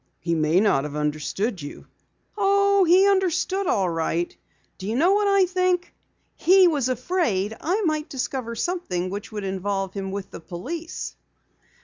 "He may not have understood you." "Oh, he understood, all right. Do you know what I think? He was afraid I might discover something which would involve him with the police!"